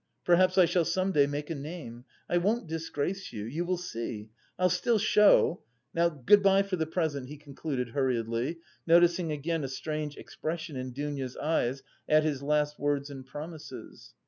Perhaps I shall some day make a name. I won't disgrace you, you will see; I'll still show.... Now good bye for the present," he concluded hurriedly, noticing again a strange expression in Dounia's eyes at his last words and promises.